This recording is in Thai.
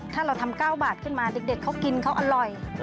ถ้าเราทำ๙บาทขึ้นมาเด็กเขากินเขาอร่อย